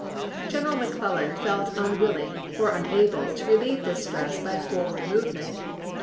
General McClellan felt unwilling or unable to relieve this stress by a forward move ment.